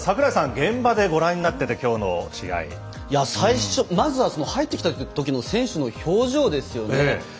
現場でご覧になっていて最初まずは入ってきたときの選手の表情ですよね。